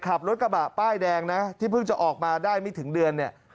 ขับรถกระบะป้ายแดงนะที่เพิ่งจะออกมาได้ไม่ถึงเดือนเนี่ย